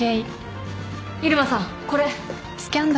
入間さんこれ。